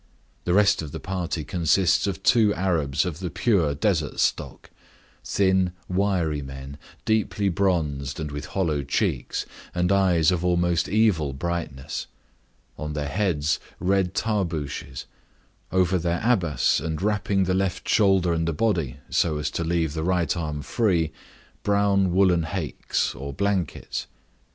The rest of the party consists of two Arabs of the pure desert stock; thin, wiry men, deeply bronzed, and with hollow cheeks, and eyes of almost evil brightness; on their heads red tarbooshes; over their abas, and wrapping the left shoulder and the body so as to leave the right arm free, brown woollen haicks, or blankets.